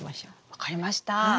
分かりました！